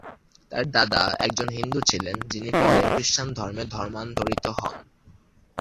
তার দাদা একজন হিন্দু ছিলেন, যিনি পরে খ্রিস্টান ধর্মে ধর্মান্তরিত হন।